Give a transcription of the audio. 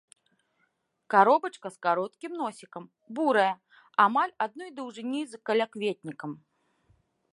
Каробачка з кароткім носікам, бурая, амаль адной даўжыні з калякветнікам.